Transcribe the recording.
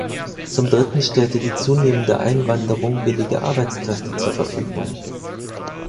Zum dritten stellte die zunehmende Einwanderung billige Arbeitskräfte zur Verfügung.